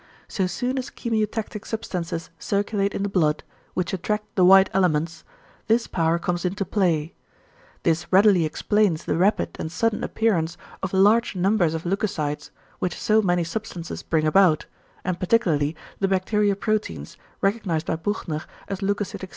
So soon as chemiotactic substances circulate in the blood, which attract the white elements, this power comes into play. This readily explains the rapid and sudden appearance of large numbers of leucocytes, which so many substances bring about, and particularly the bacterio proteins, recognised by Buchner as leucocytic stimuli.